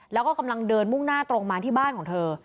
แล้วก็กำลังเดินมุ่งหน้าตรงมาที่บ้านของเธอ